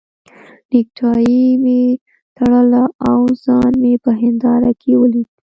نېکټایي مې تړله او ځان مې په هنداره کې ولید.